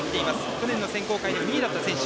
去年の選考会で２位だった選手。